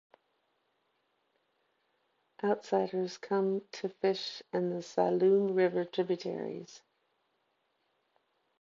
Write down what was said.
Outsiders come to fish in the Saloum River tributaries.